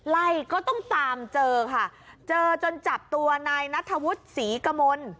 ก็ต้องตามเจอค่ะเจอจนจับตัวนายนัทธวุฒิศรีกมล